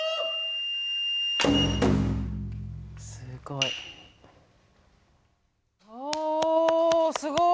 すごい。おすごい！